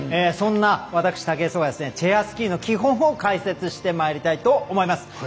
そんな私、武井壮がチェアスキーの基本を解説してまいりたいと思います。